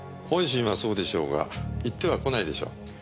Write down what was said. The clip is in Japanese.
本心はそうでしょうが言ってはこないでしょう。